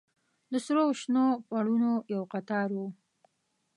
د سرو او شنو پوړونو يو قطار و.